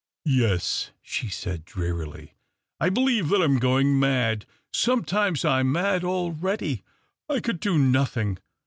" Yes," she said, drearily, " I believe that '. am going mad. Sometimes I am mad dready. I could do nothing.